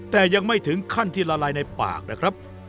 แต่ยังไม่ถึงขั้นที่ละลายในปากนะครับ